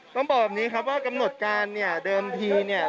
ต้องบอกแบบนี้ครับว่ากำหนดการเนี่ยเดิมทีเนี่ย